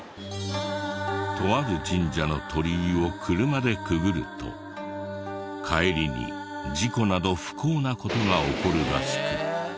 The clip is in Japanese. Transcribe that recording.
とある神社の鳥居を車でくぐると帰りに事故など不幸な事が起こるらしく。